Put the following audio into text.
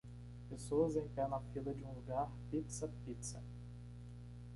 Pessoas em pé na fila de um lugar Pizza Pizza.